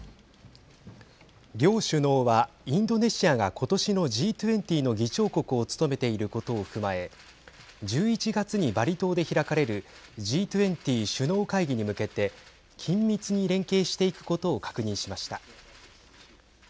両首脳は、インドネシアがことしのＧ２０の議長国を務めていることを踏まえ１１月にバリ島で開かれるＧ２０首脳会議に向けて緊密に連携していくことを確認しました。